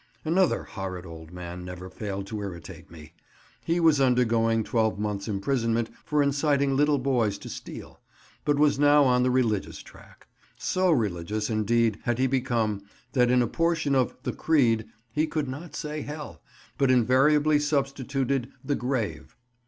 Another horrid old man never failed to irritate me. He was undergoing twelve months' imprisonment for inciting little boys to steal, but was now on the religious tack. So religious, indeed, had he become, that in a portion of "The Creed" he could not say "hell," but invariably substituted "the grave."